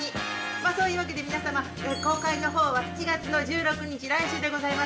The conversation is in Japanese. まぁそういうわけで皆様公開のほうは７月１６日来週でございます。